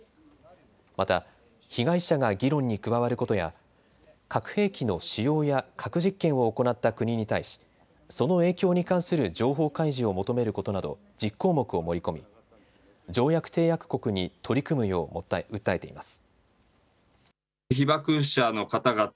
また被害者が議論に加わることや核兵器の使用や核実験を行った国に対し、その影響に関する情報開示を求めることなど１０項目を盛り込み条約締約国に取り組むよう訴えています。